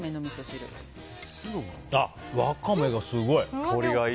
ワカメがすごい。